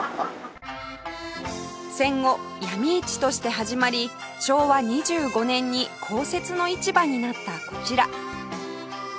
戦後闇市として始まり昭和２５年に公設の市場になったこちら